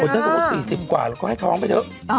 ใครล่ะโอเคนะสมมติสิบกว่าแล้วก็ให้ท้องไปเถอะ